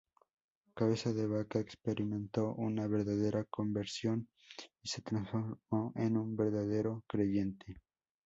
Cabeza de Vaca experimentó una verdadera conversión y se transformó en un verdadero creyente.